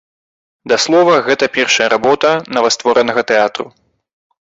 Да слова, гэта першая работа новастворанага тэатру.